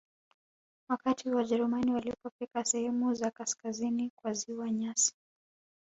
Wakati Wajerumani walipofika sehemu za kaskazini kwa Ziwa Nyasa